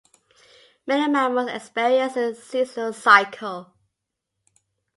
Many mammals experience a seasonal cycle.